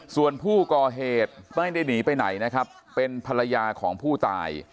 ส่วนผู้ก่อเหตุไม่ได้หนีไปไหนนะครับเป็นภรรยาของผู้ตาย